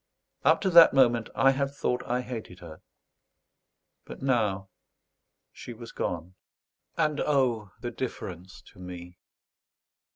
Up to that moment I had thought I hated her; but now she was gone, "And O! The difference to me!"